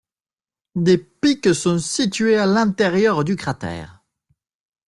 Des pics sont situés à l'intérieur du cratère.